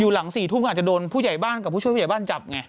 หลัง๔ทุ่มก็อาจจะโดนผู้ใหญ่บ้านกับผู้ช่วยผู้ใหญ่บ้านจับไง